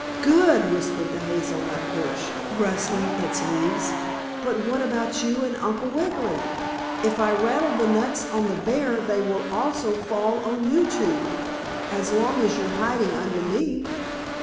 "Good!" whispered the hazel nut bush, rustling its leaves. "But what about you and Uncle Wiggily? If I rattle the nuts on the bear they will also fall on you two, as long as you are hiding under me."